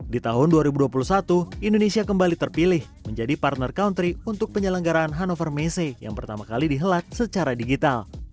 di tahun dua ribu dua puluh satu indonesia kembali terpilih menjadi partner country untuk penyelenggaraan hannover messe yang pertama kali dihelat secara digital